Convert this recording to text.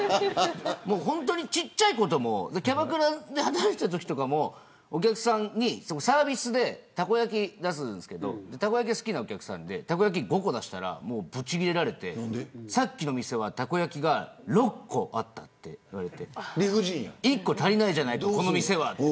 本当に小っちゃいこともキャバクラで働いていた時とかもお客さんにサービスでたこ焼き出すんですけどたこ焼きが好きなお客さんでたこ焼き５個出したらブチ切れられてさっきの店はたこやきが６個あったって言われて１個足りないじゃないかこの店は。